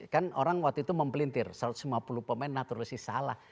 kan orang waktu itu mempelintir satu ratus lima puluh pemain naturalisasi salah